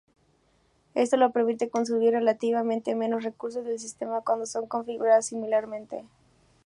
Esto le permite consumir relativamente menos recursos del sistema cuando son configurados similarmente.